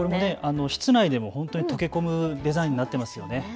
室内でも本当にとけ込むデザインになっていますよね。